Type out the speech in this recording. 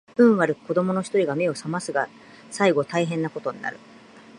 運悪く子供の一人が眼を醒ますが最後大変な事になる